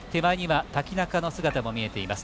瀧中の姿も見えています。